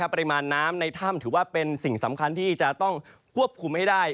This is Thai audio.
ปริมาณน้ำในถ้ำถือว่าเป็นสิ่งสำคัญที่จะต้องควบคุมให้ได้